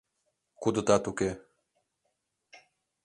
— Кудытат уке...